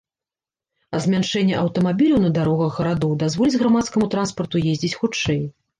А змяншэнне аўтамабіляў на дарогах гарадоў дазволіць грамадскаму транспарту ездзіць хутчэй.